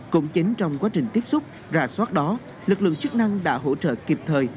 cũng chính trong quá trình tiếp xúc rà soát đó lực lượng chức năng đã hỗ trợ kịp thời